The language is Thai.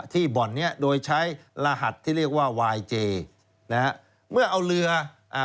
บ่อนเนี้ยโดยใช้รหัสที่เรียกว่าวายเจนะฮะเมื่อเอาเรืออ่า